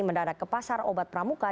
mendadak ke pasar obat pramuka